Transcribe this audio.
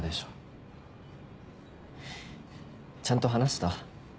ちゃんと話せた？